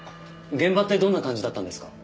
現場ってどんな感じだったんですか？